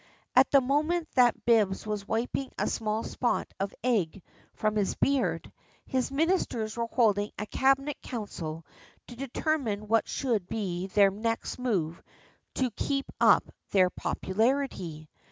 At the moment that Bibbs was wiping a small spot of egg from his beard, his ministers were holding a cabinet council to determine what should be their next move to keep up their popularity.